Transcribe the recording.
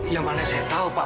yang mana saya tahu pak